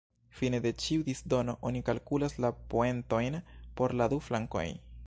Fine de ĉiu "disdono" oni kalkulas la poentojn por la du flankoj.